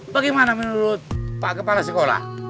bagaimana menurut pak kepala sekolah